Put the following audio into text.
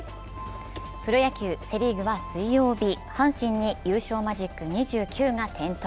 プロ野球、セ・リーグは水曜日、阪神に優勝マジック２９が点灯。